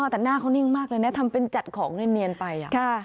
แต่หน้าเขานิ่งมากเลยนะทำเป็นจัดของเนียนไป